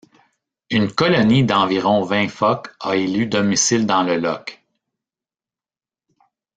Une colonie d'environ vingt phoques a élu domicile dans le loch.